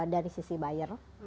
dari sisi buyer